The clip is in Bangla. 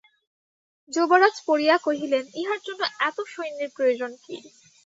যুবরাজ পড়িয়া কহিলেন, ইহার জন্য এত সৈন্যের প্রয়োজন কী?